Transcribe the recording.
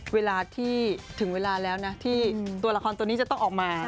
เวลาที่ถึงเวลาแล้วนะที่ตัวละครตัวนี้จะต้องออกมา